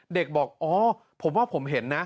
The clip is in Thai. เด็กบอกอ๋อผมว่าผมเห็นนะ